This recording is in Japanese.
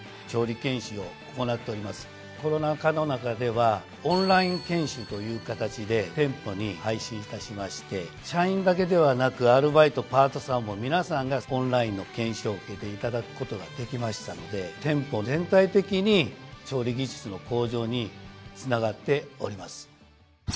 コロナ禍の中ではオンライン研修という形で店舗に配信いたしまして社員だけではなくアルバイトパートさんも皆さんがオンラインの研修を受けていただくことができましたので店舗全体的に調理技術の向上につながっております。